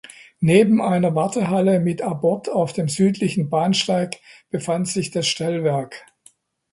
Neben einer Wartehalle mit Abort auf dem südlichen Bahnsteig befand sich das Stellwerk.